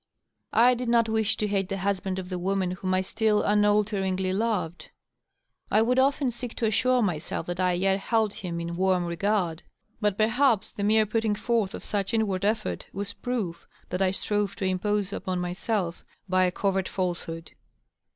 I did not wish to hate the husband of the woman whom I still unalter . ingly loved. I would often seek to assure myself that I yet held him in warm regard. But perhaps the mere putting forth of such inward effort was proof that I strove to impose upon myself by a covert felse hood.